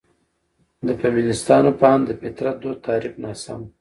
د فيمنستانو په اند: ''...د فطرت دود تعريف ناسم دى.